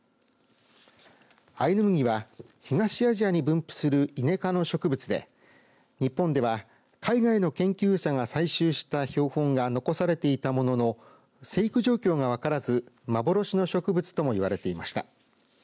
アイヌムギは東アジアに分布するイネ科の植物で、日本では海外の研究者が採集した標本が残されていたものの生育状況がわからず幻の植物ともいわれていました。